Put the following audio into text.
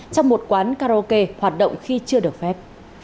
trong một quán karaoke hoạt động khi chưa được phép